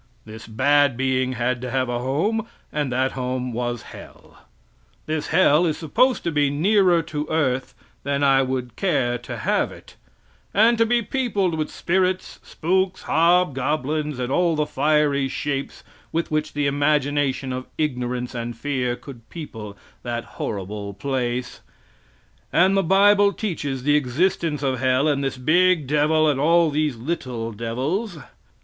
This bad being had to have a home; and that home was hell. This hell is supposed to be nearer to earth than I would care to have it, and to be peopled with spirits, spooks, hobgoblins, and all the fiery shapes with which the imagination of ignorance and fear could people that horrible place; and the bible teaches the existence of hell and this big devil and all these little devils.